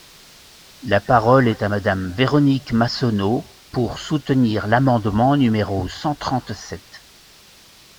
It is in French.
La parole est à Madame Véronique Massonneau, pour soutenir l’amendement numéro cent trente-sept.